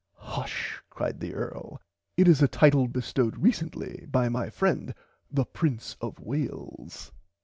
[Pg 83] Hush cried the Earl it is a title bestowd recently by my friend the Prince of Wales.